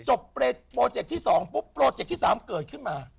โปรเจคที่๒ปุ๊บโปรเจคที่๓เกิดขึ้นมา